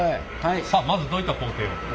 さっまずどういった工程を？